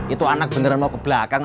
itu anak beneran mau kebelakang